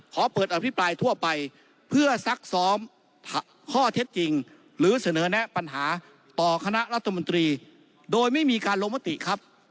ขอเปิดอภิปรายทั่วไปเพื่อซักซ้อมข้อเท็จจริงหรือเสนอแนะปัญหาต่อคณะรัฐมนตรีโดยไม่มีการลงมติครับ